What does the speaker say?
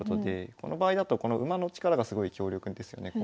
この場合だとこの馬の力がすごい強力ですよね。